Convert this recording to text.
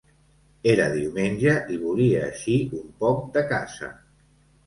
Era diumenge i volia eixir un poc de casa.